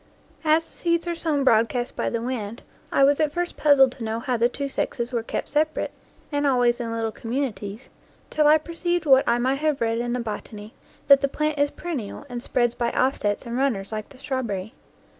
As the seeds are sown broadcast by the wind, I was at first puzzled to know how the two sexes were kept separate, and always in little communities, till I perceived what I might have read in the bot any, that the plant is perennial and spreads by 46 NEW GLEANINGS IN OLD FIELDS offsets and runners like the strawberry.